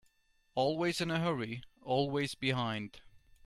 Always in a hurry, always behind.